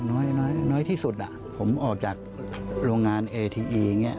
น้อยน้อยที่สุดผมออกจากโรงงานเอทีอีอย่างนี้